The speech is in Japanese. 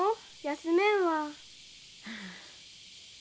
休めんわ。